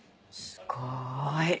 すごい。